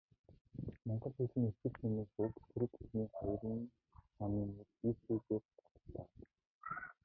Монгол хэлний ихэр хэмээх үг түрэг хэлний хоёрын тооны нэр 'ики'-ээс гаралтай.